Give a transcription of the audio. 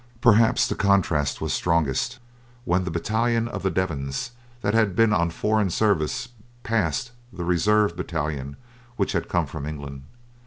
Perhaps the contrast was strongest when the battalion of the Devons that had been on foreign service passed the "reserve" battalion which had come from England.